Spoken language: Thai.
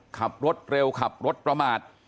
ขับรถเร็วขับรถประมาท